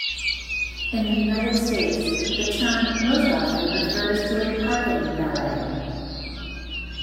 In the United States, the term most often refers to a parking valet.